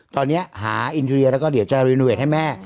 ตอนนี้หาอินทรียแล้วก็เดี๋ยวจะรีโนเวทให้แม่